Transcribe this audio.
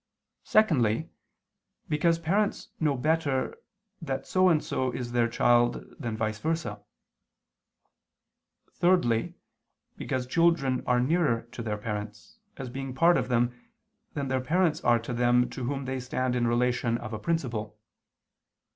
Secondly, because parents know better that so and so is their child than vice versa. Thirdly, because children are nearer to their parents, as being part of them, than their parents are to them to whom they stand in the relation of a principle.